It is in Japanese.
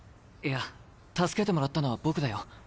いや助けてもらったのは僕だよ。